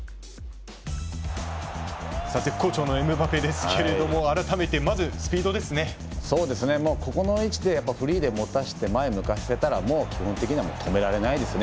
さあ、絶好調のエムバペですけれどももうここの位置でフリーで持たせて前へ向かせたらもう基本的には止められないですね。